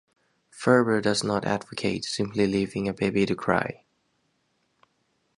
Ferber does not advocate simply leaving a baby to cry.